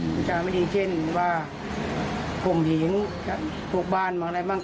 พูดจ๋าไม่ดีเช่นว่าผมเห็งพวกบ้านอะไรบ้าง